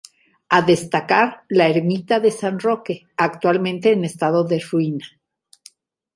A destacar la ermita de San Roque, actualmente en estado de ruina.